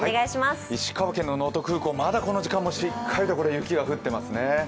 石川県の能登空港、まだこの時間もしっかり雪が降っていますね。